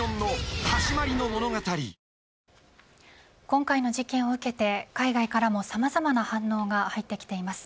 今回の事件を受けて海外からもさまざまな反応が入ってきています。